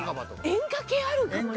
演歌系あるよ。